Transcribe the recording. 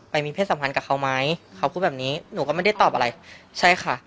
ไปมีเพศสัมพันธ์กับเขาไหมเขาพูดแบบนี้หนูก็ไม่ได้ตอบอะไรใช่ค่ะ